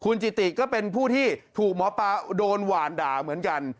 จิติก็เป็นผู้ที่ถูกหมอปลาโดนหวานด่าเหมือนกัน